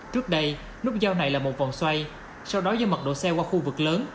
trước đây nút giao này là một vòng xoay sau đó do mật độ xe qua khu vực lớn